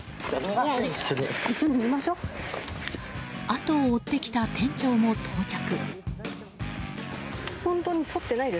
後を追ってきた店長も到着。